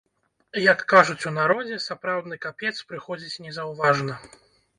Як кажуць у народзе, сапраўдны капец прыходзіць незаўважна.